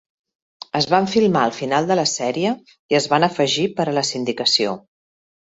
Es van filmar al final de la sèrie i es van afegir per a la sindicació.